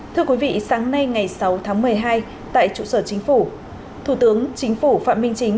thưa quý vị sáng nay ngày sáu tháng một mươi hai tại trụ sở chính phủ thủ tướng chính phủ phạm minh chính